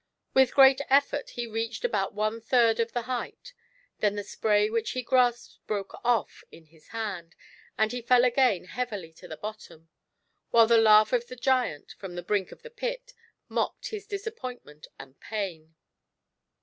With great effort he reached about one third of the height ; then the spray which he grasped broke off* in his hand, and he fell again heavily to the bottom, while the laugh of the giant, from the brink of the pit, mocked his disappointment and pain.